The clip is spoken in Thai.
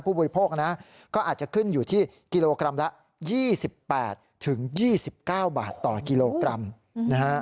ผู้บริโภคนะฮะก็อาจจะขึ้นอยู่ที่กิโลกรัมละยี่สิบแปดถึงยี่สิบเก้าบาทต่อกิโลกรัมนะฮะ